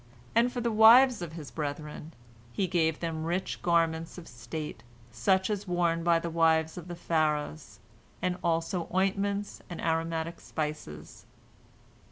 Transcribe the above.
And for the wives of his brethren he gave them rich garments of state, such as were worn by the wives of the Pharaohs, and also ointments and aromatic spices.